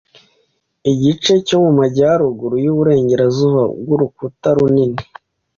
Igice cyo mu Majyaruguru y'Uburengerazuba bw'urukuta runini